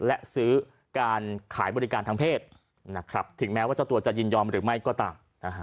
และซื้อการขายบริการทางเพศถึงแม้ว่าเจ้าตัวจะยินยอมหรือไม่ก็ตาม